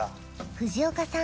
藤岡さん